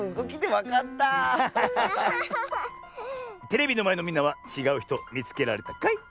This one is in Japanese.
テレビのまえのみんなはちがうひとみつけられたかい？